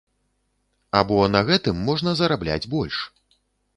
А бо на гэтым можна зарабляць больш.